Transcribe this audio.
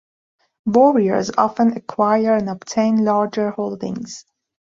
Warriors often acquire and obtain larger holdings.